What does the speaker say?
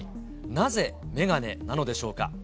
なぜ、眼鏡なのでしょうか。